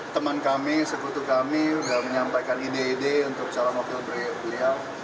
teman kami sekutu kami sudah menyampaikan ide ide untuk calon wakil beliau